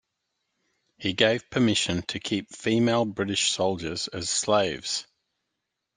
He gave permission to keep female British soldiers as slaves.